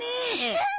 うん！